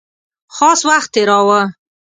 خاص وخت تېراوه.